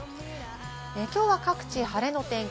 今日は各地晴れの天気。